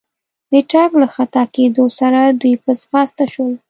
د ټک له خطا کېدو سره دوی په ځغستا شول.